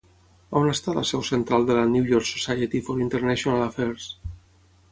On està la seu central de la "New York Society for International Affairs"?